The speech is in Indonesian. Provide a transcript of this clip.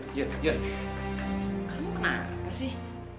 kamu kenapa sih